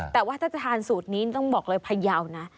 แต่ว่าถ้าจะทานสูตรนี้ต้องบอกเลยพยาวนะ